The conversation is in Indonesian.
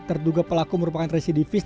terduga pelaku merupakan residivis